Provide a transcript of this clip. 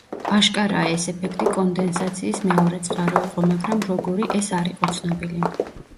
აშკარაა ეს ეფექტი კონდენსაციის მეორე წყარო იყო მაგრამ როგორი ეს არ იყო ცნობილი.